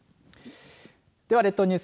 では列島ニュース